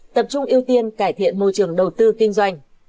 tập trung ưu tiên cải thiện môi trường đầu tư kinh doanh